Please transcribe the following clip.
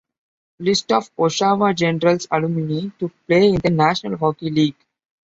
List of Oshawa Generals alumni to play in the National Hockey League.